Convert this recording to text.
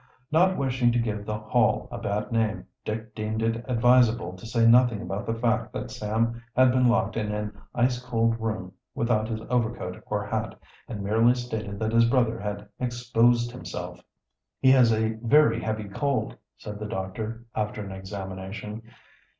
Not wishing to give the Hall a bad name Dick deemed it advisable to say nothing about the fact that Sam had been locked in an ice cold room without his overcoat or hat, and merely stated that his brother had exposed himself. "He has a very heavy cold," said the doctor, after an examination.